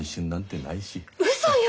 うそよ！